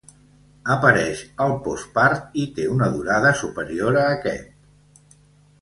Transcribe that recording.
Apareix al postpart i té una durada superior a aquest.